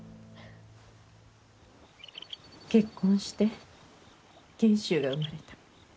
結婚して賢秀が生まれた。